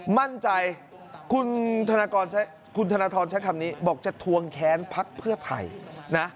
มั่นใจคุณธนทรใช้คำนี้บอกจะทวงแค้นพักเพื่อไทยนะ